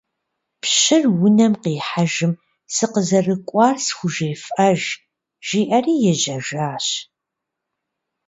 Пщыр унэм къихьэжым сыкъызэрыкӀуар схужефӏэж, жиӀэри ежьэжащ.